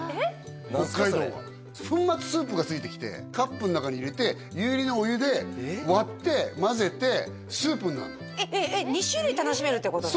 北海道は粉末スープがついてきてカップの中に入れて湯切りのお湯で割って混ぜてスープになるのえっ２種類楽しめるってことなの？